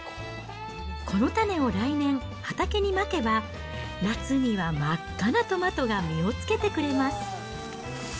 この種を来年、畑にまけば、夏には真っ赤なトマトが実をつけてくれます。